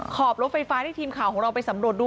ขอบรถไฟฟ้าที่ทีมข่าวของเราไปสำรวจดู